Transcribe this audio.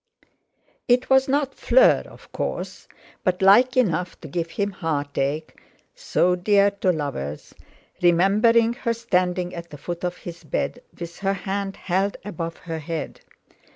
It was not Fleur, of course, but like enough to give him heartache—so dear to lovers—remembering her standing at the foot of his bed with her hand held above her head.